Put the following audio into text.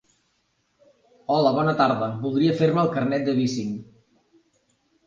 Hola bona tarda, voldria fer-me el carnet de bicing.